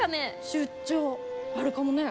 出張、あるかもね。